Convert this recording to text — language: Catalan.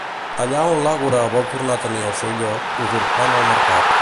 Allà on l'Àgora vol tornar a tenir el seu lloc, usurpant el Mercat.